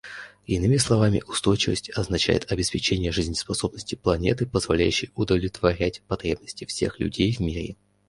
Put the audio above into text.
Иными словами, устойчивость означает обеспечение жизнеспособности планеты, позволяющей удовлетворять потребности всех людей в мире.